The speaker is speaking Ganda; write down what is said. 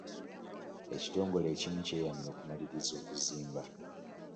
Ekitongole ekimu kyeyamye okumaliriza okuzimba.